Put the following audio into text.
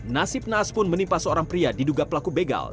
nasib naas pun menimpa seorang pria diduga pelaku begal